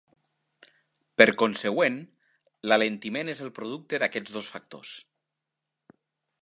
Per consegüent, l'alentiment és el producte d'aquests dos factors.